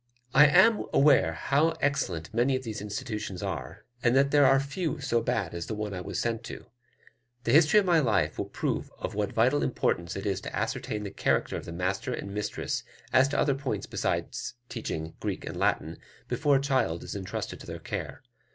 I am aware how excellent many of these institutions are, and that there are few so bad as the one I was sent to. The history of my life will prove of what vital importance it is to ascertain the character of the master and mistress as to other points besides teaching Greek and Latin, before a child is intrusted to their care.